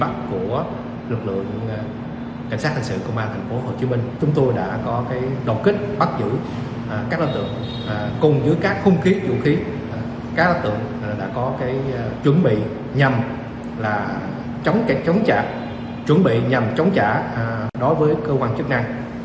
tuy nhiên các đối tượng đã có chuẩn bị nhằm chống trả đối với cơ quan chức năng